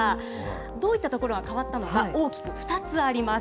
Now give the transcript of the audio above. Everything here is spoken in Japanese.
どういったところが変わったのか、大きく２つあります。